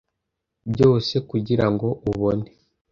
byose kugirango ubone a